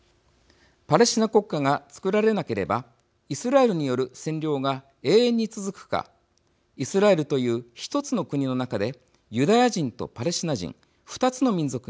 パレスチナ国家がつくられなければイスラエルによる占領が永遠に続くかイスラエルという１つの国の中でユダヤ人とパレスチナ人２つの民族が暮らすことになる。